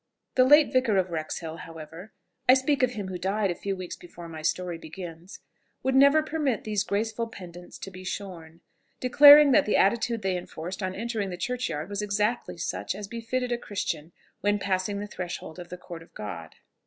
The late Vicar of Wrexhill, however, I speak of him who died a few weeks before my story begins, would never permit these graceful pendants to be shorn, declaring that the attitude they enforced on entering the churchyard was exactly such as befitted a Christian when passing the threshold of the court of God.